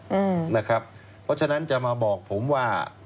อืมนะครับเพราะฉะนั้นจะมาบอกผมว่า